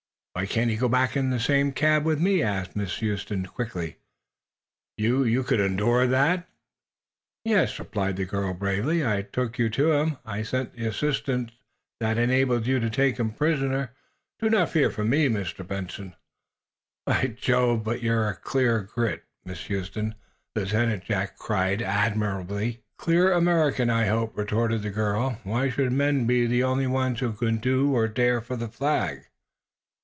"Why can't he go back in the same cab with me?" asked Miss Huston, quickly. "You could you endure that?" "Yes," replied the girl, bravely. "I took you to him. I sent the assistance that enabled you to take him prisoner. Do not fear for me, Mr. Benson." "By Jove, but you're clear grit, Miss Huston!" Lieutenant Jack cried, admiringly. "Clear American, I hope," retorted the girl. "Why should men be the only ones who can do or dare for the Flag?"